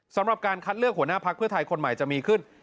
สำหรับการคัดเลือกหัวหน้าพักเพื่อไทยคนใหม่จะมีขึ้น